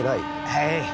はい。